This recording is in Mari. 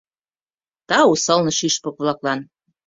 Тау сылне шӱшпык-влаклан